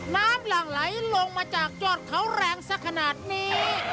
หลั่งไหลลงมาจากยอดเขาแรงสักขนาดนี้